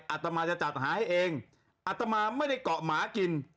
อาตมาจะจัดหาให้เองอัตมาไม่ได้เกาะหมากิน